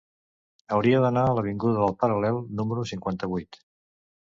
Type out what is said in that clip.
Hauria d'anar a l'avinguda del Paral·lel número cinquanta-vuit.